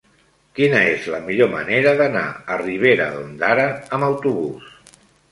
Quina és la millor manera d'anar a Ribera d'Ondara amb autobús?